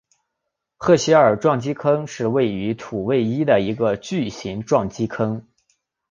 赫歇尔撞击坑是位于土卫一的一个巨型撞击坑。